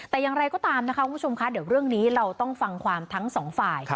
แต่อย่างไรก็ตามนะคะคุณผู้ชมคะเดี๋ยวเรื่องนี้เราต้องฟังความทั้งสองฝ่าย